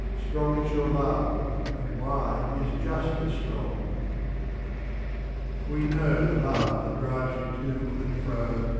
Strong is your love, but wine is just as strong! ' We know the love that drives you to and fro.